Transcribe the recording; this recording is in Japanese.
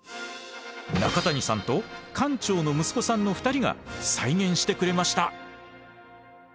中谷さんと館長の息子さんの２人が再現してくれました！